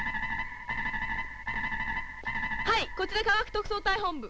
はいこちら科学特捜隊本部。